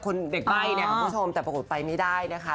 คนเด็กใบ่ของผู้ชมแต่ปรากฏไปไม่ได้นะคะ